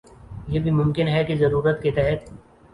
یہ بھی ممکن ہے کہہ ضرورت کے تحت